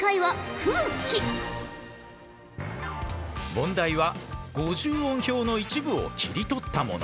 問題は５０音表の一部を切り取ったもの。